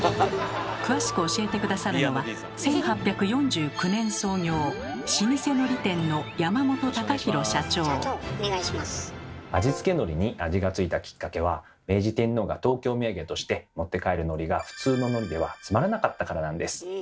詳しく教えて下さるのは１８４９年創業老舗のり店の「味付けのり」に味が付いたきっかけは明治天皇が東京みやげとして持って帰る「のり」が普通の「のり」ではつまらなかったからなんです。